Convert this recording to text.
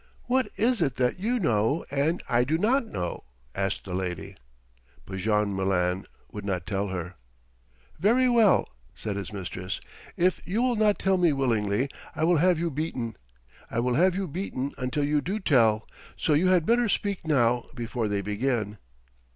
"What is it that you know and I do not know?" asked the lady. But Jean Malin would not tell her. "Very well," said his mistress; "if you will not tell me willingly I will have you beaten. I will have you beaten until you do tell, so you had better speak now before they begin."